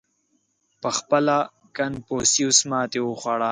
• پهخپله کنفوسیوس ماتې وخوړه.